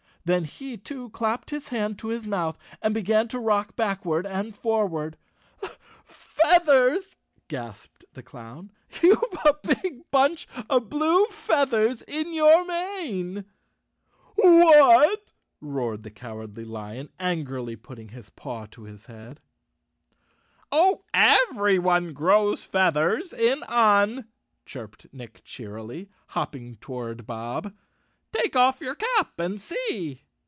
Then he too clapped his hand to his mouth and began to rock back¬ ward and forward. " Feathers 1" gasped the clown, "You've a big bunch of blue feathers in your mane!" "What?" roared the Cowardly Lion, angrily putting his paw to his head. " Oh, everyone grows feathers in Un," chirped Nick cheerily, hopping toward Bob. "Take off your cap and see."